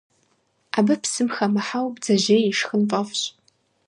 Абы псым хэмыхьэу бдзэжьей ишхын фӀэфӀщ.